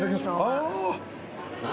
ああ